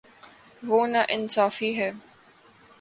وہ نا انصافی ہے